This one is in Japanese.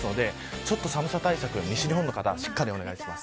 ちょっと寒さ対策、西日本の方はしっかりお願いします。